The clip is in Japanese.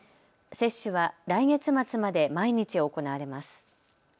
接種は来月末まで毎日行われます。